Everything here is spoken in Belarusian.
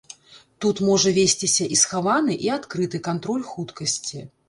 Тут можа весціся і схаваны, і адкрыты кантроль хуткасці.